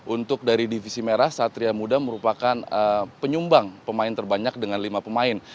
untuk dari divisi merah satria muda merupakan penyumbang pemain terbanyak dengan lima pemain